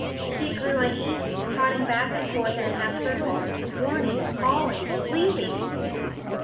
She grew uneasy, trotting back and forth in a half cir cle, warning, calling, pleading.